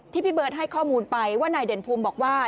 พี่เบิร์ตให้ข้อมูลไปว่านายเด่นภูมิบอกว่า